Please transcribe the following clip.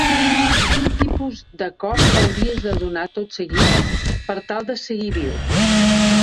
Quin tipus de cop hauries de donar tot seguit per tal de seguir viu?